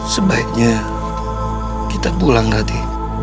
sebaiknya kita pulang tadi